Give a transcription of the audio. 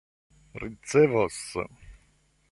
ricevos